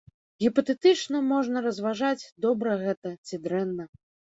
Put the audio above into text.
Гіпатэтычна можна разважаць, добра гэта ці дрэнна.